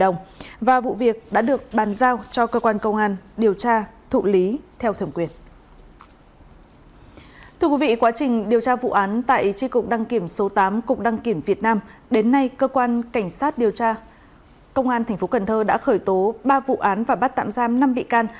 ngày hai mươi sáu tháng một mươi hai cơ quan cảnh sát điều tra công an tp cnh đã khởi tố ba vụ án và bắt tạm giam năm bị can